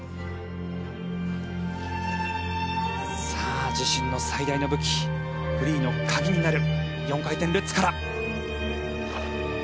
さあ自身の最大の武器フリーの鍵になる４回転ルッツから。